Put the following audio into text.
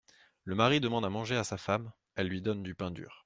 Le mari demande à manger à sa femme ; elle lui donne du pain dur.